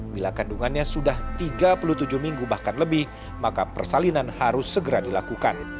bila kandungannya sudah tiga puluh tujuh minggu bahkan lebih maka persalinan harus segera dilakukan